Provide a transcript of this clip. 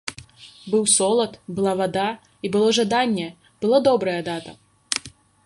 Быў солад, была вада, і было жаданне, была добрая дата.